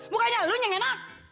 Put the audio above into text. bukannya lu yang enak